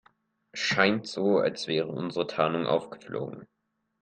Scheint so, als wäre unsere Tarnung aufgeflogen.